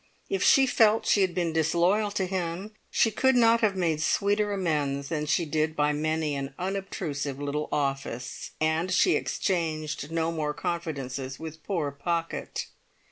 If she felt she had been disloyal to him, she could not have made sweeter amends than she did by many an unobtrusive little office. And she exchanged no more confidences with poor Pocket.